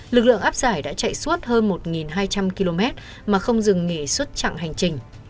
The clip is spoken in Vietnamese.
lực lượng áp giải đã chạy suốt hơn một hai trăm linh km mà không dừng nghỉ xuất chặng hành trình